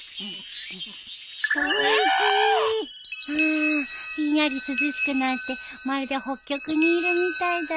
あひんやり涼しくなってまるで北極にいるみたいだよ。